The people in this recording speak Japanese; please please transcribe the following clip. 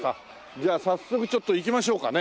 じゃあ早速ちょっと行きましょうかね。